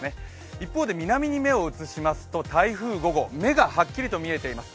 一方で南に目を移しますと台風５号、目がはっきりと見えています。